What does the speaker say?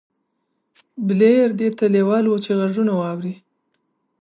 بليير دې ته لېوال و چې غږونه واوري.